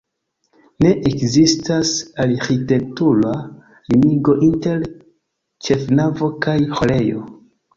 Ne ekzistas arĥitektura limigo inter ĉefnavo kaj ĥorejo.